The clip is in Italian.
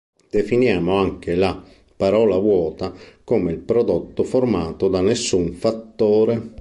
Definiamo anche la "parola vuota" come il prodotto formato da nessun fattore.